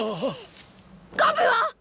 ガブは！？